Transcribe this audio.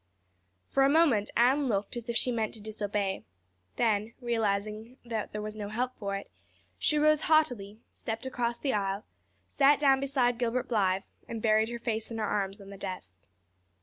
For a moment Anne looked as if she meant to disobey. Then, realizing that there was no help for it, she rose haughtily, stepped across the aisle, sat down beside Gilbert Blythe, and buried her face in her arms on the desk.